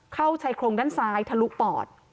ชายโครงด้านซ้ายทะลุปอด